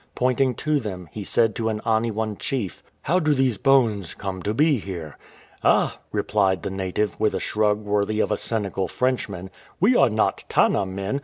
Pointing to them, he said to an Aniwan chief :" How do these bones come to be here ?''" Ah,'' replied the 334 EPILOGUE native, with a shrug worthy of a cynical Frenchman, " we are not Tanna men